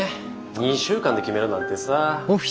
２週間で決めろなんてさ。